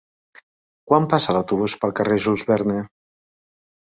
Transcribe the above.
Quan passa l'autobús pel carrer Jules Verne?